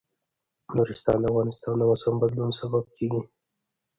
نورستان د افغانستان د موسم د بدلون سبب کېږي.